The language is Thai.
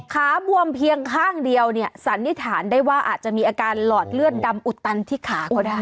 บวมเพียงข้างเดียวเนี่ยสันนิษฐานได้ว่าอาจจะมีอาการหลอดเลือดดำอุดตันที่ขาก็ได้